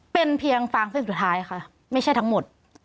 เป็นเพียงฟางเส้นสุดท้ายค่ะไม่ใช่ทั้งหมด